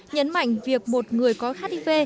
nhấn mạnh việc một người có hiv